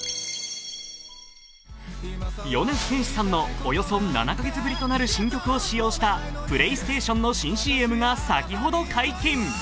米津玄師さんのおよそ７カ月ぶりとなる新曲を使用したプレイステーションの新ＣＭが先ほど解禁。